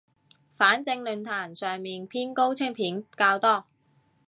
反正論壇上面偏高清片較多